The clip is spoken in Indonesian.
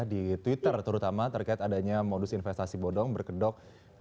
di twitter terutama terkait adanya modus investasi bodong berkedok